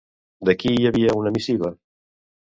De qui hi havia una missiva?